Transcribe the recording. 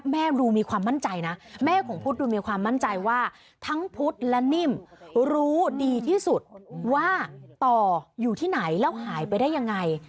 ดูมีความมั่นใจนะแม่ของพุทธดูมีความมั่นใจว่าทั้งพุทธและนิ่มรู้ดีที่สุดว่าต่ออยู่ที่ไหนแล้วหายไปได้ยังไง